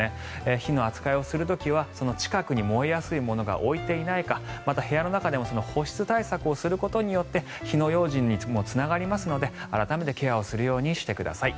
火の扱いをする時は近くに燃えやすいものが置いていないかまた、部屋の中でも保湿対策をすることで火の用心にもつながりますので改めてケアをしてください。